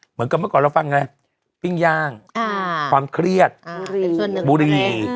เมื่อก่อนเราฟังไงปิ้งย่างความเครียดบุรี